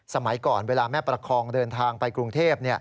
สมัยก่อนเวลาแม่ประคองเดินทางไปกรุงเทพ